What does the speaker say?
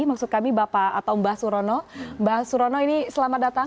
maksud kami mbak surono mbak surono ini selamat datang